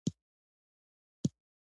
د څلور عدده پیچونو درلودونکی دی.